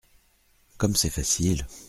Comme c’est facile !…